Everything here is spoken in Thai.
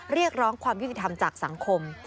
เรียกร้องความยุติธรรมจากสังคม